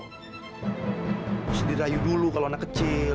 harus dirayu dulu kalau anak kecil